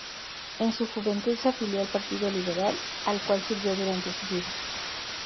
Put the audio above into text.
En su juventud se afilió al Partido Liberal, al cual sirvió durante su vida.